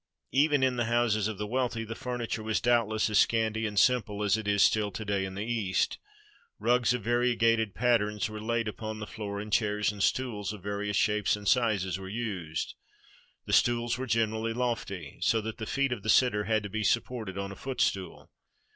Even in the houses of the wealthy the furniture was doubtless as scanty and simple as it is still to day in the East. Rugs of variegated patterns were laid upon the floor, and chairs and stools of various shapes and sizes were used. The stools were generally lofty, so that the feet of the sitter had to be supported on a footstool.